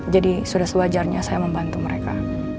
jadi sudah sewajarnya saya membantu mereka